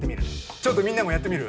ちょっとみんなもやってみる？